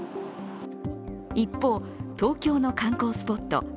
一方、東京の観光スポット